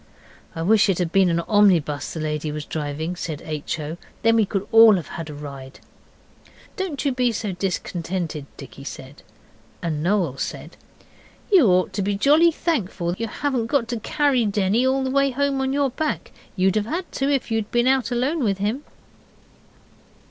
'I wish it had been an omnibus the lady was driving,' said H. O., 'then we could all have had a ride.' 'Don't you be so discontented,' Dicky said. And Noel said 'You ought to be jolly thankful you haven't got to carry Denny all the way home on your back. You'd have had to if you'd been out alone with him.